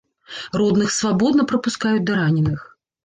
Родных свабодна прапускаюць да раненых.